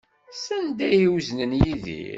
Sanda ay uznen Yidir?